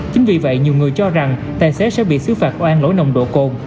chính vì vậy nhiều người cho rằng tài xế sẽ bị xứ phạt oan lỗi nồng độ cồn